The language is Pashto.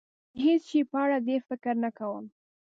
د هېڅ شي په اړه ډېر فکر نه کوم.